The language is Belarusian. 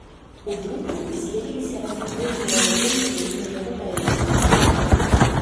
У друку з'явіліся разгромныя рэцэнзіі на яго паэзію.